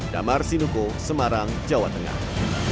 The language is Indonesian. demikian kondisi banjir yang telah dilakukan oleh tawang semarang